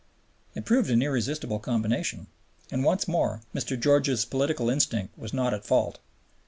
It proved an irresistible combination, and once more Mr. George's political instinct was not at fault.